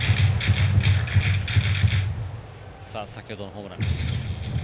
先ほどのホームランです。